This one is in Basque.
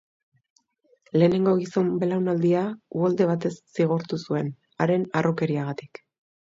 Lehenengo gizon-belaunaldia uholde batez zigortu zuen, haren harrokeriagatik.